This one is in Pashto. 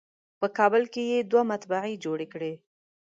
په کابل کې یې دوه مطبعې جوړې کړې.